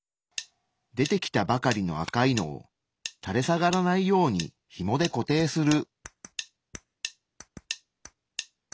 出てきたばかりの赤いのをたれ下がらないようにヒモで固定する。